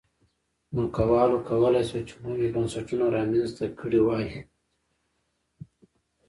ځمکوالو کولای شول چې نوي بنسټونه رامنځته کړي وای.